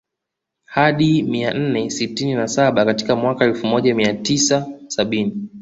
Hadi mia nne sitini na saba katika mwaka elfu moja mia tisa sabini